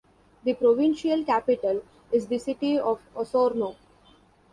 The provincial capital is the city of Osorno.